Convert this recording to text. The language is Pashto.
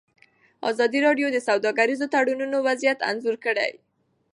ازادي راډیو د سوداګریز تړونونه وضعیت انځور کړی.